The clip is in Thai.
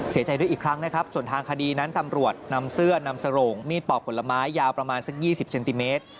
เสียใจด้วยอีกครั้งนะครับส่วนทางคดีนั้นตำรวจนำเสื้อนำสโรงมีดปอกผลไม้ยาวประมาณสัก๒๐เซนติเมตร